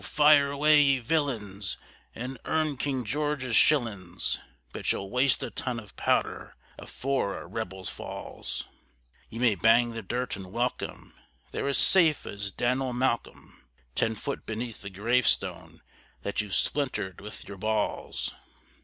fire away, ye villains, and earn King George's shillin's, But ye'll waste a ton of powder afore a 'rebel' falls; You may bang the dirt and welcome, they're as safe as Dan'l Malcolm Ten foot beneath the gravestone that you've splintered with your balls!"